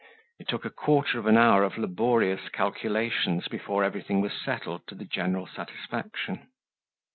It took a quarter of an hour of laborious calculations before everything was settled to the general satisfaction.